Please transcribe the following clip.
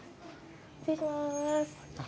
失礼します。